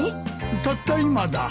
たった今だ。